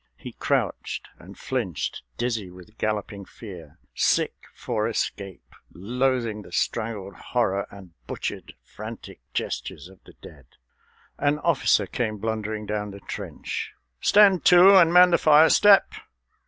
He crouched and flinched, dizzy with galloping fear, Sick for escape, loathing the strangled horror And butchered, frantic gestures of the dead. An officer came blundering down the trench: "Stand to and man the fire step!"